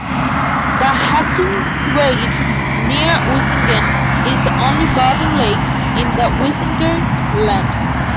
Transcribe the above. The Hattsteinweiher near Usingen is the only bathing lake in the "Usinger Land".